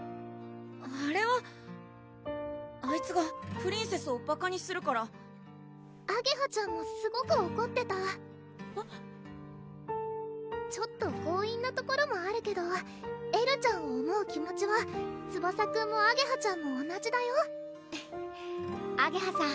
あれはあいつがプリンセスをバカにするからあげはちゃんもすごくおこってたえっちょっと強引なところもあるけどエルちゃんを思う気持ちはツバサくんもあげはちゃんも同じだよあげはさん